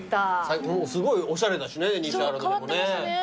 もうすごいおしゃれだしね西原とかもね。